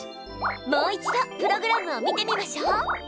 もう一度プログラムを見てみましょう。